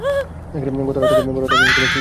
গত রাত থেকে সে আর বাড়ি ফেরেনি।